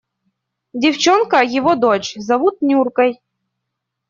Девчонка – его дочь, зовут Нюркой.